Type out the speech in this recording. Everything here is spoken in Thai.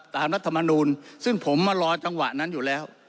รัฐมนูลซึ่งผมมารอจังหวะนั้นอยู่แล้ว